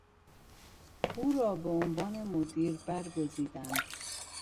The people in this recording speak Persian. او را به عنوان مدیر برگزیدند.